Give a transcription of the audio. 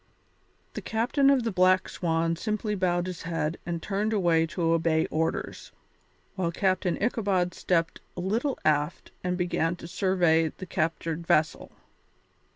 The captain of the Black Swan simply bowed his head and turned away to obey orders, while Captain Ichabod stepped a little aft and began to survey the captured vessel.